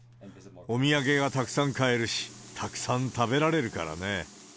お土産がたくさん買えるし、たくさん食べられるからね。